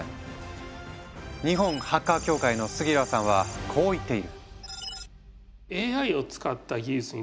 日本ハッカー協会の杉浦さんはこう言っている。